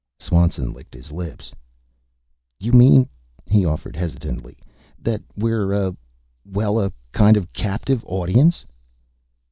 Swanson licked his lips. "You mean," he offered hesitantly, "that we're a well, a kind of captive audience?"